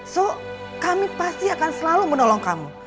so kami pasti akan selalu menolong kamu